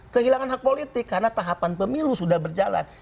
kehilangan hak politik karena tahapan pemilu sudah berjalan